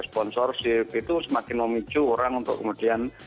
sponsorship itu semakin memicu orang untuk kemudian